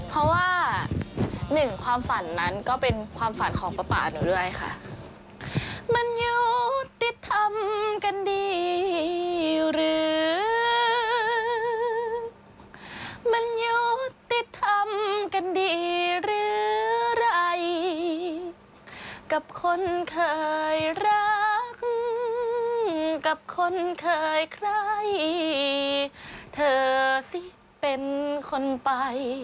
เพราะว่าหนึ่งความฝันนั้นก็เป็นความฝันของป๊าป๊าหนูด้วยค่ะ